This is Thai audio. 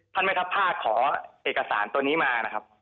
พันวันครับผ้าขอเอกสารตัวนี้มานะครับ